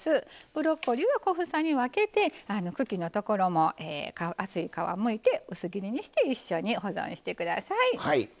ブロッコリーは小房に分けて茎のところも厚い皮をむいて薄切りにして一緒に保存してください。